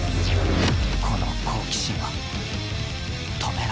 この好奇心は止められない